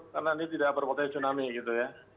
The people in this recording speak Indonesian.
karena ini tidak berpotensi tsunami gitu ya